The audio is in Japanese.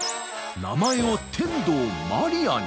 名前を「天童マリア」に！？